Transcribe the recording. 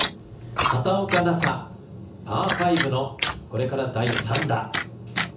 畑岡奈紗、パー５のこれから第３打。